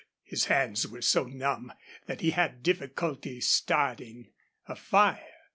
His hands were so numb that he had difficulty starting a fire.